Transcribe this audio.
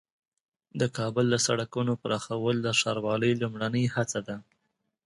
د کابل د سړکونو پراخول د ښاروالۍ لومړنۍ هڅه ده.